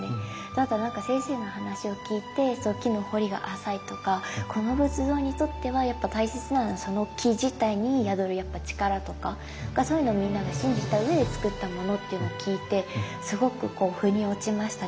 あとはなんか先生の話を聞いて木の彫りが浅いとかこの仏像にとってはやっぱ大切なのはその木自体に宿る力とかそういうのをみんなが信じた上でつくったものっていうのを聞いてすごく腑に落ちましたね。